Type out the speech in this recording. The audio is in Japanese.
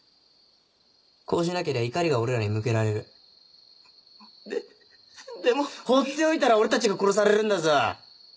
こうしなけりゃ怒りが俺らに向けられるででも放っておいたら俺たちが殺されるんだぞ！